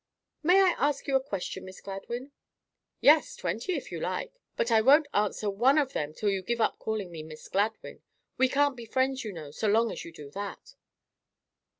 "May I ask you a question, Miss Gladwyn?" "Yes, twenty, if you like; but I won't answer one of them till you give up calling me Miss Gladwyn. We can't be friends, you know, so long as you do that."